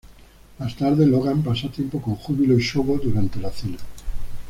Más tarde, Logan pasa tiempo con Júbilo y Shogo durante la cena.